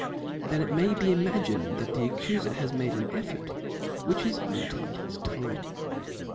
Then it may te imagined that the accufer has made an effort, which has un tied his tongue.